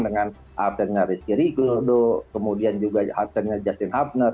dengan aksennya rizky ridodo kemudian juga aksennya justin hapner